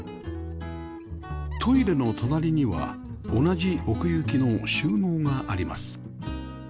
トイレの隣には同じ奥行きの収納があります